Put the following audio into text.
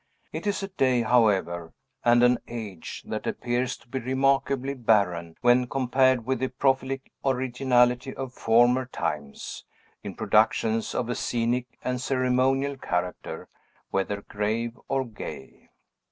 It is a day, however, and an age, that appears to be remarkably barren, when compared with the prolific originality of former times, in productions of a scenic and ceremonial character, whether grave or gay.